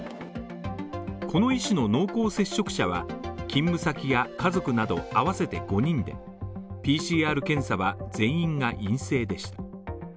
この医師の濃厚接触者は、勤務先や家族など合わせて５人で、ＰＣＲ検査は全員が陰性でした。